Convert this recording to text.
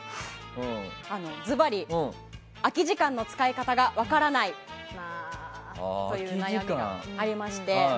ずばり、空き時間の使い方が分からないという悩みがありまして。